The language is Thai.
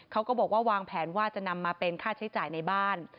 เขาก็บอกว่าวางแผนว่าจะนำมาเป็นค่าใช้จ่ายในบ้าน